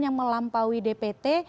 yang melampaui dpt